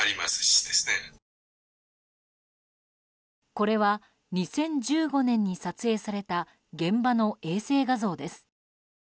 これは２０１５年に撮影された現場の衛星画像です。